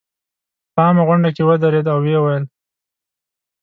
په عامه غونډه کې ودرېد او ویې ویل.